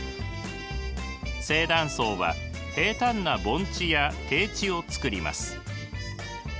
正断層は平たんな盆地や低地をつくります。